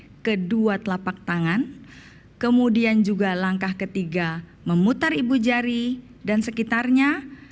kemudian kedua telapak tangan kemudian juga langkah ketiga memutar ibu jari dan sekitarnya